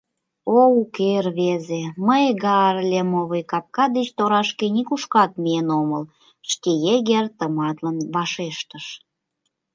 — О уке, рвезе, мый Гаарлемовый капка деч торашке нигушкат миен омыл, — Штеегер тыматлын вашештен.